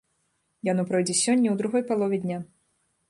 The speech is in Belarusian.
Яно пройдзе сёння ў другой палове дня.